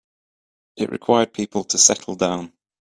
It required people to settle down.